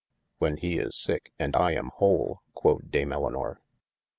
When he is sicke and I am whole, quod Dame Elinor.